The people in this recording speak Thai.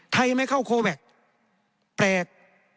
ไทยไม่เข้าโคแว็กซ์แปลก